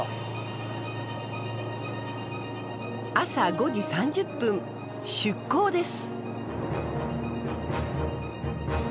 朝５時３０分出港です。